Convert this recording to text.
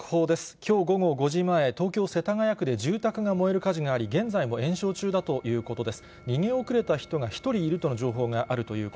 きょう午後５時前、東京・世田谷区で住宅が燃える火事があり、現在も延焼中だということです。